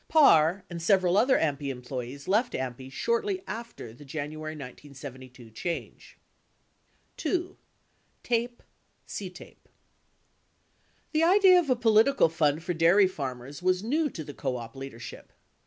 Parr and several other AMPI employees left AMPI shortly after the January 1972 change. 2 . tape/otape The idea of a political fund for dairy farmers was new to the co op leadership.